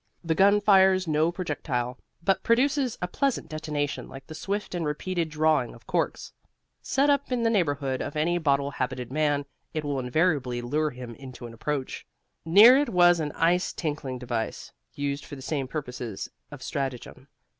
The gun fires no projectile, but produces a pleasant detonation like the swift and repeated drawing of corks. Set up in the neighborhood of any bottle habited man, it will invariably lure him into an approach. Near it was an ice tinkling device, used for the same purposes of stratagem.